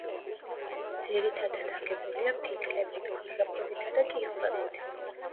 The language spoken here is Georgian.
ძირითადად აგებულია ფიქლებით, ქვიშაქვებითა და კირქვებით.